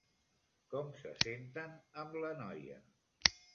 Com se senten amb la noia?